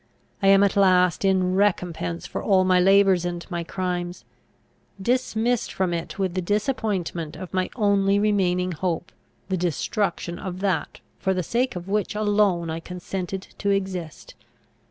I am at last, in recompense for all my labours and my crimes, dismissed from it with the disappointment of my only remaining hope, the destruction of that for the sake of which alone I consented to exist.